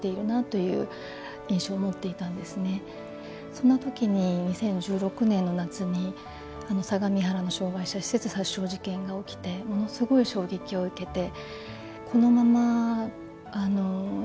そんなときに２０１６年の夏に相模原の障害施設殺傷事件が起きてものすごい衝撃を受けて。